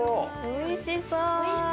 おいしそう。